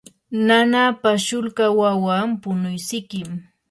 nanapa shulka wawan punuysikim.